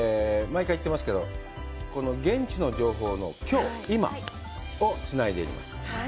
毎回言ってますけど、現地の情報のきょう、今をつないでいます。